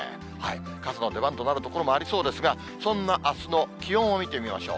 傘の出番となる所もありそうですが、そんなあすの気温を見てみましょう。